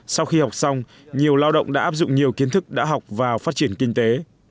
sau khi học xong nhiều lao động đã áp dụng nhiều kiến thức đã học vào phát triển kinh tế